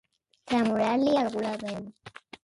Tremolar-li a algú la veu.